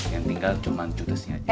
yang tinggal cuma judusnya aja